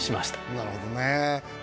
なるほどね。